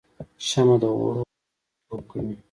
شمعه د غوړ استازیتوب کوي